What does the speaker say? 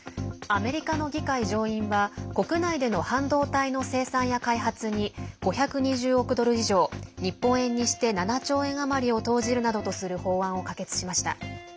アメリカの議会上院は国内での半導体の生産や開発に５２０億ドル以上日本円にして７兆円余りを投じるなどとする法案を可決しました。